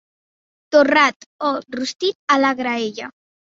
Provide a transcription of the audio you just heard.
Torrat o rostit a la graella.